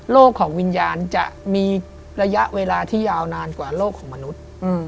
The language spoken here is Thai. ของวิญญาณจะมีระยะเวลาที่ยาวนานกว่าโลกของมนุษย์